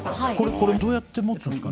これどうやって持つんすか？